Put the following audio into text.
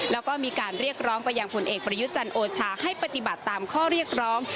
แล้วก็มีการเรียกร้องไปยังผลเอกประยุจันทร์โอชาให้ปฏิบัติตามข้อเรียกร้อง